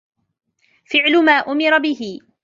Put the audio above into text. فعل ما أُمِرَ به.